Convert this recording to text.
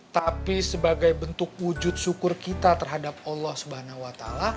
tapi sebagai bentuk wujud syukur kita terhadap allah swt